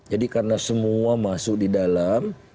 jadi karena semua masuk di dalam